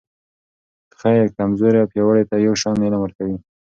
خير کمزورې او پیاوړي ته یو شان علم ورکوي.